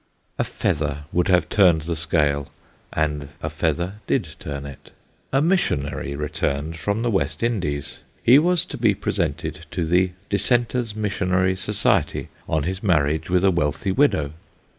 A feather would have turned the scale, and a feather did turn it. A missionary returned from the West Indies ; he was to be presented to the Dissenters' Missionary Society on his marriage with a wealthy widow.